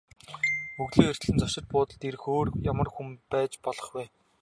Өглөө эртлэн зочид буудалд ирэх өөр ямар хүн байж болох вэ?